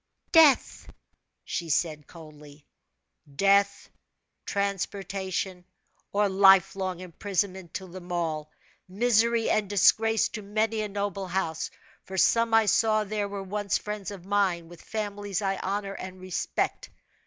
"Death!" she said, coldly. "Death, transportation, or life long imprisonment to them all misery and disgrace to many a noble house; for some I saw there were once friends of mine, with families I honor and respect.